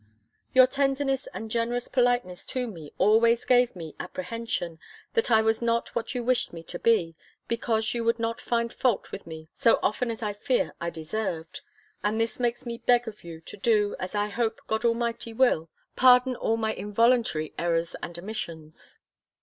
Your tenderness, and generous politeness to me, always gave me apprehension, that I was not what you wished me to be, because you would not find fault with me so often as I fear I deserved: and this makes me beg of you to do, as I hope God Almighty will, pardon all my involuntary errors and omissions.